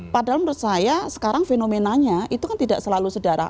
padahal menurut saya sekarang fenomenanya itu kan tidak selalu sedara